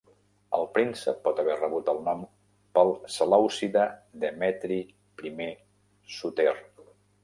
El príncep pot haver rebut el nom pel selèucida Demetri I Soter.